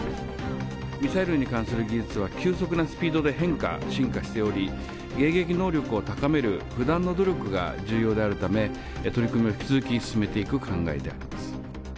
ミサイルに関する技術は急速なスピードで変化・進化しており、迎撃能力を高める不断の努力が重要であるため、取り組みを引き続き進めていく考えであります。